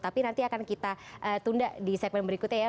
tapi nanti akan kita tunda di segmen berikutnya ya